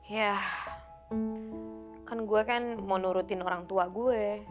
ya kan gue kan mau nurutin orang tua gue